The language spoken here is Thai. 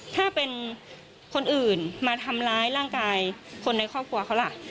ถ้าเป็นคนอื่นมาทำร้ายร่างกายคนในครอบครัวเขาล่ะ